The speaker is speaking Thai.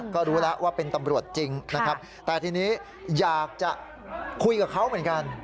ก็รู้แล้วว่าเป็นตำรวจจริงนะครับแต่ทีนี้อยากจะคุยกับเขาเหมือนกัน